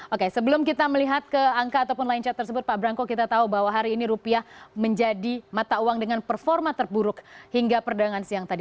oke sebelum kita melihat ke angka ataupun line chart tersebut pak branko kita tahu bahwa hari ini rupiah menjadi mata uang dengan performa terburuk hingga perdagangan siang tadi